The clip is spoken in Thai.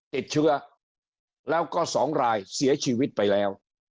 ติดเชื้อแล้วก็๒รายเสียชีวิตไปแล้ว